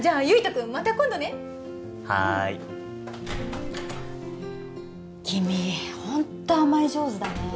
君また今度ねはい君ホント甘え上手だね